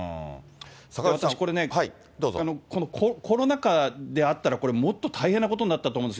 私これね、コロナ禍であったらこれ、もっと大変なことになったと思うんです。